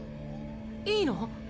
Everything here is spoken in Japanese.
いいの？